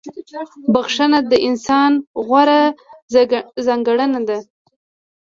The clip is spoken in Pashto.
• بخښنه د انسان غوره ځانګړنه ده.